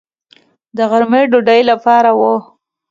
د غرمې ډوډۍ لپاره و.